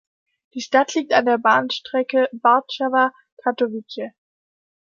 Die Stadt liegt an der Bahnstrecke Warszawa–Katowice.